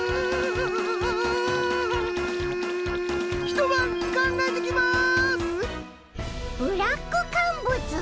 一晩考えてきます！